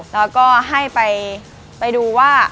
แล้วก็ให้ไปดูว่า